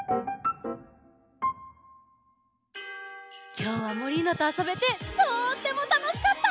きょうはモリーノとあそべてとってもたのしかった！